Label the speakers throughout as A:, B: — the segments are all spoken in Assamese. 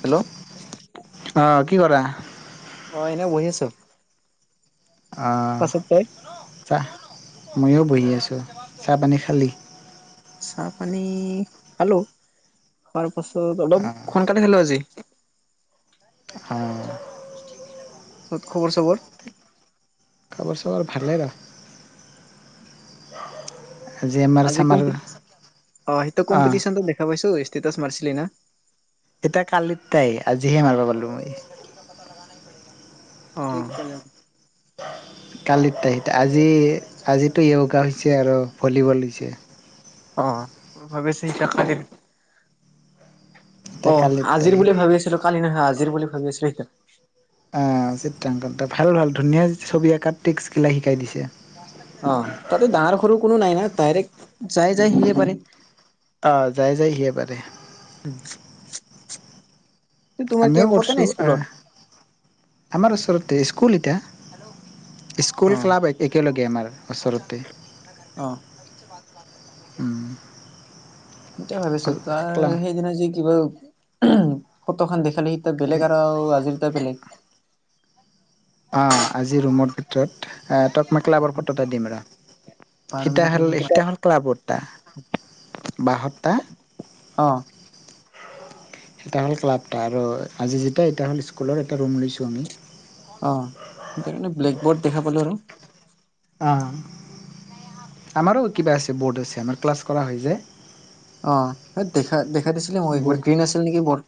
A: হেল্ল'।
B: অ' কি কৰা?
A: অ' এনে বহি আছোঁ।
B: অ'
A: তই
B: চাহ, ময়ো বহি আছোঁ। চাহ পানী খালি?
A: চাহ পানী খালোঁ, খোৱাৰ পাছত অলপ
B: আহ
A: সোনকালে খালোঁ আজি।
B: অ'
A: পিছত খবৰ চবৰ?
B: খবৰ চবৰ ভালে বা। আমাৰ
A: আজি
B: চামাৰ
A: কম্পে, অ' সেইটো
B: আহ
A: কম্পিটিছন দেখা পাইছোঁ, ষ্টেছ মাৰিছিলি না।
B: এতিয়া কালিত তাই, আজিহে মাৰিব পালো মই।
A: অ'।
B: কালিৰ টাই, আজি আজিতো য়োগা হৈছে আৰু ভলীবল হৈছে।
A: অ' ভাবে চে এটকলিৰ
B: এতিয়া কালিত
A: অ'
B: তাই
A: আজিৰ বুলি ভাবি আছিলো কালি নহয়, আজিৰ বুলি ভাবি আছিলো সেইটো।
B: অ' চিত্ৰাংকন, ভাল ভাল, ধুনীয়া ছবি আঁকাত ট্ৰিক্সবিলাক শিকাই দিছে।
A: অ' তাতে ডাঙৰ সৰু কোনো নাই না, ডাইৰেক্ট যাই যাই সিয়ে পাৰে।
B: অ' যাই যায় হিয়ে পাৰে।
A: তোমাৰ
B: আমিও
A: কেম্পতে
B: কৰিছো
A: ন
B: আহ
A: স্কুলত?
B: আমাৰ ওচৰতে, স্কুল এতিয়া
A: অ
B: স্কুল ক্লাব একেলগে আমাৰ ওচৰতে
A: অঁ
B: উম
A: সটয় ভাবিছোঁ তাৰ
B: একলা
A: সেইদিনা যি কিবা ফটো খান দেখালে স
B: অকে
A: বেলেগ আৰু আ আজি এটা বেলেগ।
B: অঁ, আজি ৰুমৰ ভিতৰত তাক মই ক্লাবৰ ফটো এটা দিম ৰ।
A: বাৰ
B: সীত
A: মিনিট লাগিব
B: হল
A: পাৰে।
B: সীত হল ক্লাবটা বহতটা [unintelligible] [inaudible]
A: অঁ
B: এটা হল ক্লাবটা আৰু আজি যে এ [unintelligible] হ স্কুলৰ এটা ৰুম লৈছো আমি
A: অ' সেইাকাৰণে ব্লেক বৰ্ড দেখা পালো আৰু।
B: অ' আমাৰো কিবা আছে ব'ৰ্ড আছে আমাৰ ক্লাছ কৰা হৈ যায়।
A: অ', দেখা দেখাই দিছিলি মই একবাৰ
B: বৰ্ড
A: গ্ৰীণ আছিল নেকি বট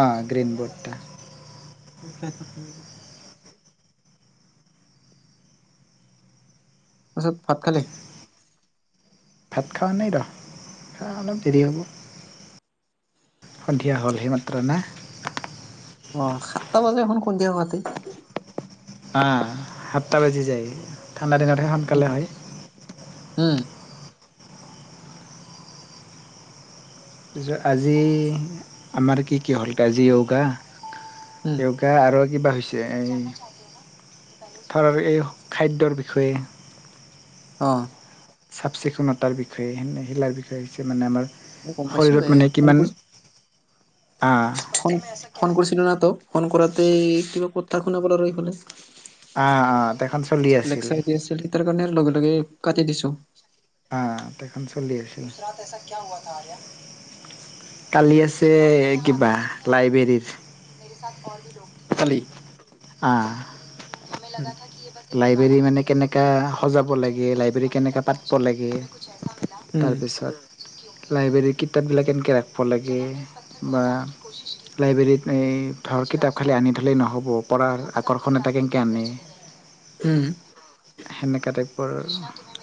B: অ গ্ৰীণ
A: [unintelligible] থ
B: বৰ্ডটা
A: খাই থাক ম এ [unintelligible] তাৰ পিছত ভাত খালি?
B: ভাত খোৱা নাই ৰ খোৱা অলপ দেৰি হ'ব। সন্ধিয়া হ'লহি মাত্ৰ না?
A: অ', সাতটা বজাত এখন কোনিয়া হুৱাতে
B: আহ সাতটা বাজি যায়, ঠাণ্ডা দিনতহে
A: উম
B: সোনকালে হয়
A: উম
B: আজি আমাৰ কি কি হ'ল, আজি োগা
A: উম,
B: [unintelligible] আৰু কিবা হৈছে, এই ধৰ এই খাদ্যৰ বিষয়ে
A: অঁ
B: চাফ চিকুণতাৰ বিষয়েে শিলাৰ বিষয়ে হৈছে মানে আমাৰ
A: মই গম পাইছোঁ
B: শৰীৰত
A: এই
B: মানে
A: ফোন
B: কিমান
A: কৰিছ ফোন ফোন কৰিছিলোঁ ন তোক, ফোন কৰোঁতে কিবা কথা শুনাব পৰা ৰৈিব'লে [unintelligible]
B: অ অ', দেখখন [unintelligible] চলি আছিল
A: আছিল তাৰ কাৰণে লগে লগে কাটি দিছোঁ।
B: আহ তেখখন চলি আছিল। কালি আছে কিবা লাইব্ৰেৰীৰ [unintelligible]
A: কালি?
B: অঁ।
A: উম।
B: লাইব্ৰেৰী মানে কেনেকৈ সজাব লাগে, লাইব্ৰেৰী কেনেকৈ পাতব লাগে
A: উম,
B: তাৰপিছত লাইব্ৰেৰীৰ কিতাপবিলাক এনেকে ৰাখিব লাগে, বা [unintelligible] লাইব্ৰেৰীত এই ধৰ কিতাপ খালি আনি থ'লেই নহ'ব, পঢ়াৰ আকৰ্ষণ এটা কেনেকৈ আনে,
A: হম।
B: সেনেকুৱা টাইপৰ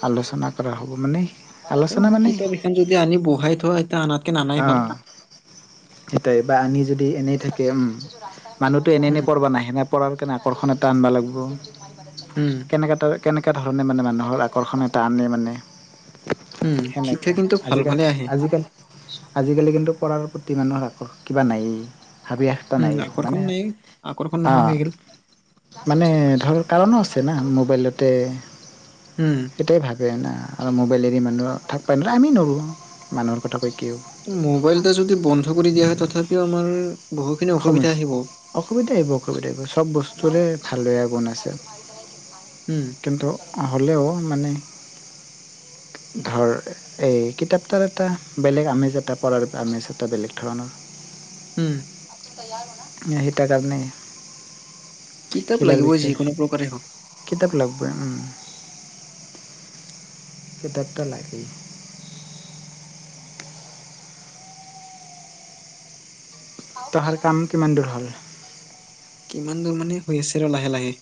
B: আলোচনা কৰা হ'ব মানে
A: এতিয়াও
B: আলোচনা
A: হয়
B: মানে
A: কিতাপ এখন যদি আনি বহাই থয়, এতিয়া আনা [inaudible]
B: অঁ', সেইটাই বা আনি যদি এনেই থাকে উম মানুহটো এনে
A: উম,
B: পঢা নাহে ন [unintelligible] কাৰণে আকৰ্ষণ এটা আনবা লাগিব
A: উম।
B: কেনেকৈ কেনেকুৱা ধৰণে মানে মানুহৰ আকৰ্ষণ এটা আনি মানে
A: উম, শিক্ষা
B: সেনেকুৱা
A: কিন্তু ভাল
B: আজিকাল
A: ভালে আহে।
B: আজিকালি আজিকালি কিন্তু, পঢ়াৰ প্ৰতি মানুহ আকৌ কিবা নায়েই ভাবি আ
A: উম,
B: ন
A: আকৰ্ষণ
B: মানে
A: নাই আকৰ্ষণ নোহোৱা
B: অ',
A: হৈ গ'ল।
B: মানে ধৰ কাৰণো আছে না, মোবাইলতে
A: উম্,
B: তেতিয়াই ভাবে ন আৰু মোবাইল এৰি মানুহ থাকিব পাৰে না। আমি নোৱাৰোঁ মানুহৰ কথা কৈ কিয়ও,
A: মোবাইলটো যদি বন্ধ কৰিও দিয়া হয়, তথাপিও আমাৰ বহুখিনি অসুবিধা
B: সময়,
A: আহিব।
B: অসুবিধা আহিব, অসুবিধা আহিব। সব
A: উম,
B: বস্তুৰে ভালদৰে বনাইছে।
A: উম্।
B: কিন্তু হ'লেও মানে, ধৰ, এই কিতাপ খনৰ এটা বেলেগ আমেজ এটা, পঢ়াৰ আমেজ এটা বেলেগ ধৰণৰ।
A: উম্।
B: এই সেইটো কাৰণে,
A: কিতাপ
B: শিলাৰ
A: লাগিবই,
B: বিষয়ে
A: যিকোনো প্ৰকাৰে হওঁক।
B: কিতাপ লাগিবই উম্, কিতাপটো লাগেই। দহাৰ কাম কিমান দূৰ হ'ল।
A: কিমান দূৰ মানে, হৈ আছে ৰ লাহে লাহে।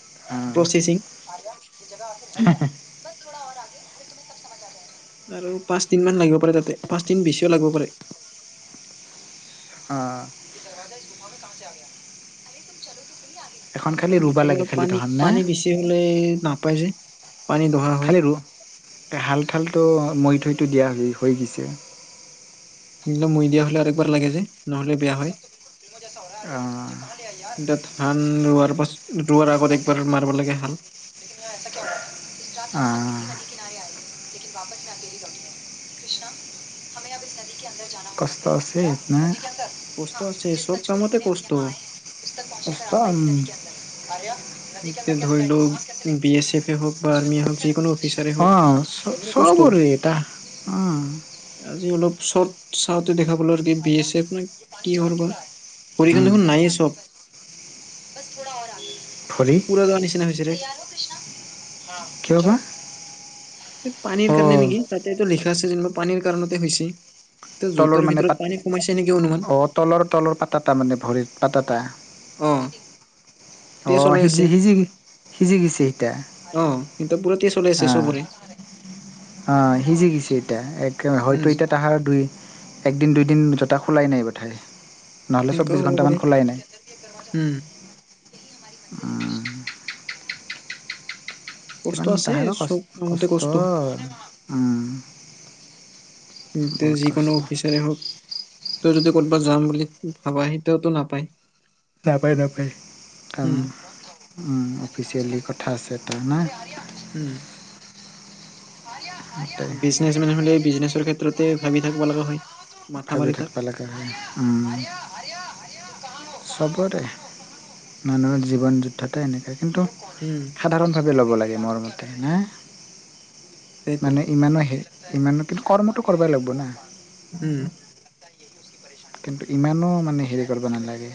B: অ', বছ
A: প্ৰচেচিং
B: থোডা আগে আৰু ফিৰ তোমহে সব সমত আ জায়েগা।
A: আৰু পাঁচদিনমান লাগিব পাৰে তাতে, পাঁচদিন বেছিও লাগিব পাৰে।
B: অ', এখন খালি ৰুবা লাগে খালি
A: পানী,
B: তহাৰ না
A: পানী বেছি হ'লে নাপাই যে। পানী দহা হয়
B: খালি ৰু, হাল-ঠালটো, মৈ থৈত দিয়া হৈ গৈছে।
A: একদম মৈ দিয়া হ'লে আৰু এবাৰ লাগে যে, নহ'লে বেয়া হয়।
B: অ',
A: এতিয়া ধান ৰোৱাৰ পাছত, ৰোৱাৰ আগত একবাৰ মাৰিব লাগে হাল।
B: অ', লেকিন বপস ন দেৰি কপিীয়ে কৃষ্ণা হমেৰা বাপিছ নদী কি আন্দৰ কষ্ট আছে ন।
A: কষ্ট আছে, চব কামতে কষ্ট।
B: উম্,
A: এতিয়া ধৰি লও বি এছ এফে
B: অ',
A: হওক বা আৰ্মিয়ে হওক যিকোনো অফিচাৰে হওক
B: চবৰে
A: চবৰে কষ্ট।
B: আ,
A: আজি অলপ চৰ্ট চাওঁতে দেখা পালোঁ আৰু কি বি এ চেপ নে কি হয় বা, ভৰিখন দেখোন নায় চব।
B: ভৰি,
A: পুৰা যোৱা নিচিনা হৈছে ৰে।
B: কিয় বা?
A: পানীৰ কাৰণে
B: অ'
A: নেকি? তাতেটো লিখা আছে যেনিবা, পানীৰ কাৰণতে হৈছে। তে
B: তলৰ
A: জোতাৰ
B: মানে পাত
A: ভিতৰত পানী সোমাইছে নেকি অনুমান।
B: অ' তলৰ তলৰ পাতাটা মানে, ভৰিৰ পাতাটা।
A: অ তেজ
B: অ',
A: ওলাই
B: সিজি
A: আছে।
B: সিজি, সিজি গৈছে গৈছে এতিয়া।
A: অ সিহঁতৰ পুৰা তেজ ওলাই আছে
B: আ,
A: চবৰে
B: আ, সিজি গৈছে এতিয়া, এক হয়তো
A: উম
B: এতিয়া তাহাতৰ দুই একদিন দুইদিন জোতা খোলাই নাই বোধ হয়।
A: তেনেকুৱাও হ'ব পাৰে। উম্,
B: আ,
A: কষ্ট
B: কিমান
A: আছে
B: তাহাঁতৰ
A: চব কামতে
B: কষ্ট। বহুত কষ্ট
A: যিকোনো অফিচাৰে হওঁক। তই যদি ক'ৰবাত যাম বুলি ভাবা। সেইটোটো নাপায়।
B: নাপায় নাপায়।
A: উম
B: অ', অফিচিয়েলি কথা আছে তো।
A: উম্,
B: হয় দিয়া, হয় দিয়া।
A: বিজনেছ মেন হলে বিজনেছৰ ক্ষেত্ৰতে ভাবি থাকিব লগা হয়। মাথা
B: খাই বৈ
A: মাৰি থাক।
B: থাকিব লগা হয়। চবৰে মানুহৰ জীৱন যুদ্ধতে এনেকে। কিন্তু
A: উম।
B: সাধাৰণভাৱে ল'ব লাগে মোৰমতে, হা
A: সেইটো
B: মানে ইমানো হে ইমান কিন্তু, কৰ্মটো কৰাই লাগব না।
A: উম।
B: ত ত [unintelligible] কিন্তু ইমানো মানে হেৰি কৰিব নালাগে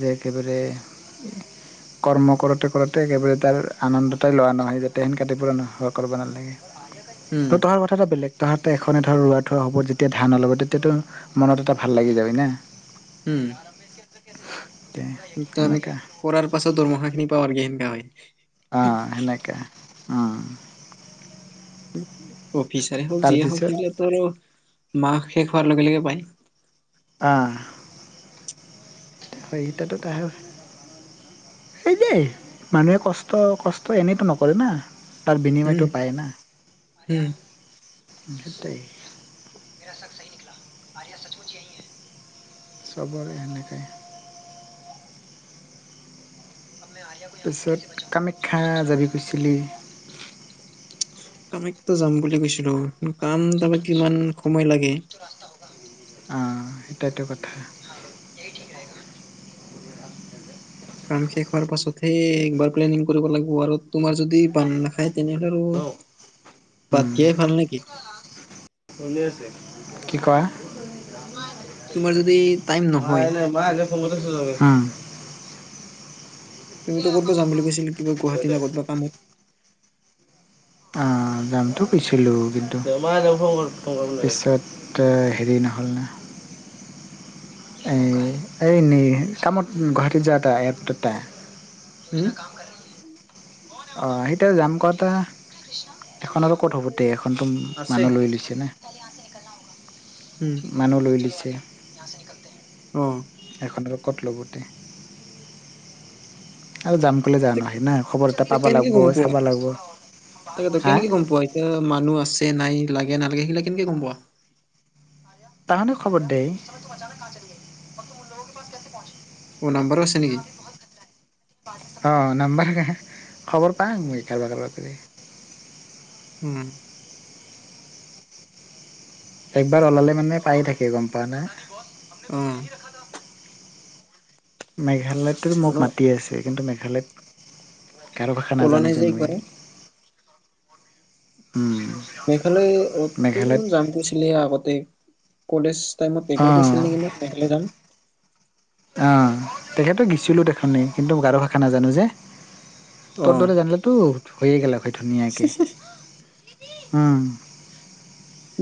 B: যে একেবাৰে [unintelligible] কৰ্ম কৰোতে কৰোঁতে একেবাৰে তাৰ আনন্দটাই লোৱা নহয় যাতে, সেনকা টাইপৰ কিবাবোৰ নোহোৱা কৰিব নালাগে। হয় [unintelligible]
A: উম
B: ত তহাৰ কথা এটা বেলেগ তহাতে এখনে ধৰ ৰৱাই থোৱা হ'ব যেতিয়া ধান ওলা'ব তেতিয়াতটো মনত এটা ভাল লাগি যাব না।
A: উম।
B: তম ক্ষেত্ৰ কে [unintelligible]
A: কিন্তু আমি কৰাৰ পাছত দৰমহাখিনি পাৱা গ'লে হেনকা হয়।
B: অ' সেনেকে। অ'
A: অফিচাৰে হওঁক যিয়ে হওঁক
B: তাৰপিছত
A: সেইবিলাকো আৰু মাহ শেষ হোৱাৰ লগে লগে পায়।
B: অ'। হয়কেইটাতো তাহে এই যেই মানুহে কষ্ট, কষ্ট এনেইতো নকৰে না। তাৰ
A: উম
B: বিনিময়টো পায় না,
A: উম।
B: সেইটাই। মেৰা শক চি নিকল আৰয়া সচমুজ এইি হ [unintelligible] চবৰে হেনেকাই। তাৰপিছত কামাখ্যা যাবি কৈছিলি?
A: কামাখ্য যাম বুলি কৈছিলো, কিন্তু কাম তাপা কিমান সময় লাগে।
B: অঁ, সেইটতো কথা। এই ঠিক। [unintelligible]
A: কাম শেষ হোৱাৰ পাছতহে একবাৰ প্লেনিং কৰিব লাগিব। আৰু তোমাৰ যদি বানদা খাই তেনেহ'লে আৰু বাদ
B: উম
A: দিয়াই ভাল নেকি?
B: কি কয়?
A: তোমাৰ যদি টাইম নহয়।
B: উম।
A: তুমিটো ক'তবা যাম বুলি কৈছিল কিবা গুৱাহাটী নে ক'তবা কামত?
B: অ', যামতো কৈছিলো কিন্তু পিছত তে হৰি নহ'লনা এ, এ, নি কামত গুৱাহাটীত যোৱা এটা এয়াৰপৰ্টটা
A: হুম।
B: অ', সেইটোয়া যাম কতে এখনতো ক'ত হ'ব দে এখনতো
A: আছে।
B: মানুহ লৈ লৈছে না।
A: উম।
B: মানুহ লৈ লিছে।
A: অ
B: এখনৰ কট ল'ব তে আৰু যাম কলে যাম
A: তে কেনেকে গ'ম পোৱা
B: লাগব
A: তাকেত
B: হা
A: কেনেকে গ'ম পোৱা? মানুহ আছে নাই লাগে নালাগে সেইগিলাক কেনেকে গ'ম পোৱা?
B: তাহানে খবৰ দেই। তম অচানক ক চল গ মই তুমোক পছ কে পহচে [unintelligible]
A: মোৰ নাম্বৰু আছে নেকি?
B: অ' নাম্বাৰ খবৰ পাওঁ মই কাৰোবাক কাৰোবাক কৰি।
A: উম।
B: একবাৰ ওলালে মানে পায়ে থাকে গম পোৱা না?
A: উম।
B: মেঘালয়তটো মোক মাতি আছে কিন্তু মেঘালয়ত গাৰো ভাষা
A: ওলোৱা
B: নাজানো
A: নাই
B: যে মই।
A: একবাৰো
B: উম।
A: মেঘালয় অ'ত তই
B: মেঘালয়ত
A: দেখোন যাম কৈছিলি আগতে কলেজ টাইমত এবাৰ
B: অঁ
A: কৈছিলি নেকি মোক মেঘালয় যাম।
B: অ' তেখেতো গছিলোঁ তেখনেই কিন্তু গাৰো ভাষা নাজানো যে।
A: অ
B: ত'ৰ দৰে জানিলেতো হৈয়ে গেলা হয় ধুনীয়াকে, উম।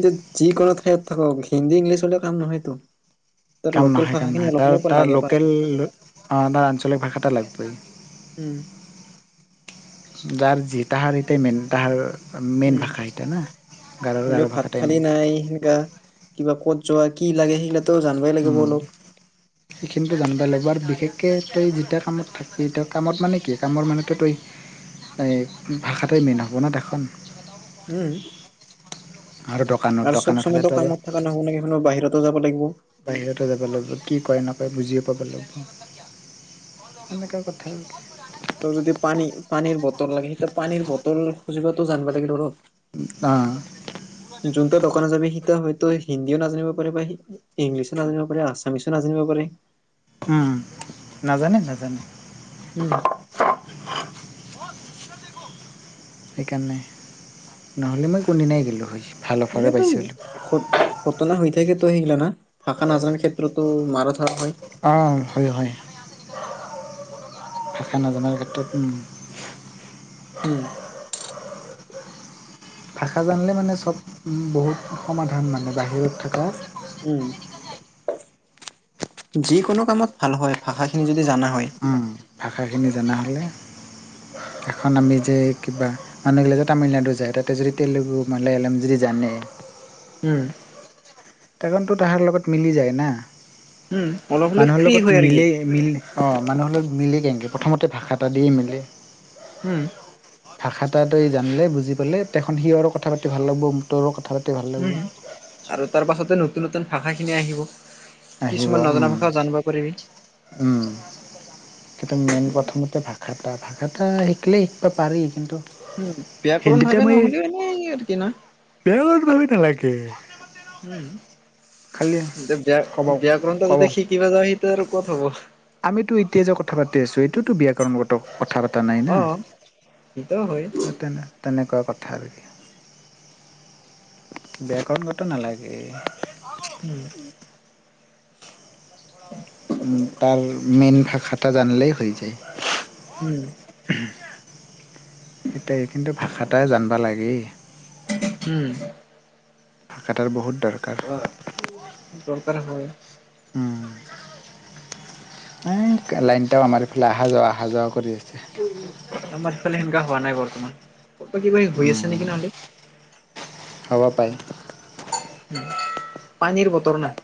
A: কিন্ত যিকোনো ঠাইত থাকক হিন্দী ইংলিছ হ'লেও কাম নহয়তো। তাৰ
B: কাম
A: লোকেল
B: নহয়, কাম
A: ভাষাখিনি
B: নহয়,
A: অলপ
B: তাৰ
A: হলেও
B: তাৰ
A: লাগে পাৰা
B: লোকেল তাৰ আঞ্চলিক ভাষা এটা লাগিবই।
A: উম।
B: গাৰ যি তাহাৰ এটাই মেইন, তাহাৰ মেইন
A: উম
B: ভাষা এটা না, গাৰোৰ
A: হ'লেও
B: গাৰো
A: ভাত
B: ভাষাটাই
A: খালি
B: মেইন।
A: নাই গা কিবা ক'ত যোৱা, কি লাগে সেইগিলাক ত' জানবাই লাগিব
B: উম।
A: অলপ
B: সেইখিনিতো জানিবই লাগিব আৰু বিশেষকৈ তই যেতিয়া কামত থাকিবি, এতিয়া কামত মানে কি কামৰ মানুহতো তই এই ভাষাতে মেইন আপনা তেখোন।
A: উম।
B: আৰু দকানত,
A: আৰু চব
B: দকানত
A: সময়তো
B: হ'লেতো আৰু
A: কামত থকা নহয় ন' বাহিৰতো যাব লাগিব।
B: বাহিৰতে যাব লাগিব, কি কয় নকয় বুজিয়ে পাব লাগিব। সেনেকুৱা কথাই।
A: ত' যদি পানী, পানীৰ বটল লাগে সেইয়া পানীৰ বটল খুজিবটো জানিবা লাগে ধৰ।
B: অ'।
A: যোনটা দোকানত যাবি সি হয়তো হিন্দীও নাজানিব পাৰে বা সি ইংলিছো নাজানিব পাৰে, আছামিছো নাজানিব পাৰে।
B: উম, নাজানে নাজানে।
A: উম।
B: সেইকাৰণে, নহ'লে মই কোনদিনাই গ'লোঁ হয়। ভাল অফাৰে
A: মানেতো
B: পাইছিলোঁ
A: খুত ঘটনা হৈ থাকেতো সেইগিলা না, ভাষা নাজানাৰ ক্ষেত্ৰতো মাৰা ধৰা হয়?
B: অ' হয় হয়। ভাষা নাজানাৰ ক্ষেত্ৰত
A: উম।
B: ভাষা জানিলে মানে চব বহুত সমাধান মানে বাহিৰত থাকা
A: উম, যিকোনো কামত ভাল হয়, ভাষাখিনি যদি জানা হয়।
B: উম, ভাষাখিনি জানা হ'লে, এখন আমি যে কিবা মানুহ গিলা যে তামিলনাডু যায় তাতে যদি তেলেুগু মালায়ালম যদি জানে
A: উম।
B: তকণতো তাহাৰ লগত মিলি যায় না,
A: উম, অলপ হ'লেও
B: মানুহৰ
A: ফ্ৰী
B: লগত
A: হয় আৰু কি
B: মিলেই মিল অ' মানুহৰ লগত মিলে কেনেকে, প্ৰথমতে ভাষা এটা দিয়ে মিলে।
A: হুম।
B: ভাষা এটো এই জানিলে, বুজি পালে তেখন সিহঁৰো কথা পাতি ভাল লাগব, তৰো কথা পাতি ভাল
A: উম।
B: লাগব।
A: আৰু তাৰপাছতে নতুন নতুন ভাষাখিনি আহিব,
B: আহিব
A: কিছুমান নজনা
B: উম,
A: ভাষাও জানিব পাৰিবি।
B: উম। কিন্তু মেইন প্ৰথমতে ভাষা এটা, ভাষা এটা শিকিলেই শিকিবা পাৰি কিন্তু
A: উ, ব্যয়াকৰণ
B: হিন্দীতে
A: ভাবে
B: মই
A: নহ'লেও এনে আৰ্কি না?
B: বেয়া ভাবি নালাগে
A: উম,
B: খালি
A: এতিয়া
B: ক'ব
A: ব্যা-ব্যাকৰণতা
B: ক'ব
A: যদি শি কিব যাওঁ, এতিয়া আৰু ক'ত হ'ব।
B: আমিতো এতিয়া যে কথা পাতি আছো, এইটোওতো ব্যয়াকৰণগত কথা পাত তা নাই না,
A: অ'। সেইটো হয়
B: তেনে-তেনেকুৱা কথা আৰু। ব্যায়াকৰণগত নালাগে।
A: উম। [inaudible]
B: তাৰ মেইন ভাষাটা জানিলেই হৈ যায়।
A: উম।
B: এতিয়া এই কিন্তু ভাষাটাই জানবা লাগেই
A: উম।
B: ভাষাতাৰ বহুত দৰকাৰ হয়।
A: দৰকাৰ হয়।
B: উম। লাইন টাও আমাৰ ইফালে অহা যোৱা-অহা যোৱা কৰি আছে।
A: আমাৰ সিফালে সেনেকা হোৱা নাই বৰ্তমান, ক'ৰবাত কিবা হৈ আছে
B: উম,
A: নেকি নহ'লে।
B: হ'ব পায়।
A: পানীৰ বতৰ না